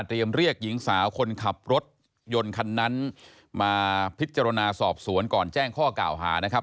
เรียกหญิงสาวคนขับรถยนต์คันนั้นมาพิจารณาสอบสวนก่อนแจ้งข้อกล่าวหานะครับ